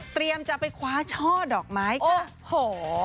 เตรียมจะไปคว้าช่อดอกไม้ค่ะโอ้โหโอ้โห